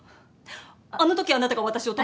あのときあなたが私を。